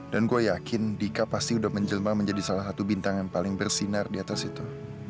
dan gue yakin dika pasti udah menjelma menjadi salah satu bintang yang paling bersinar di atas itu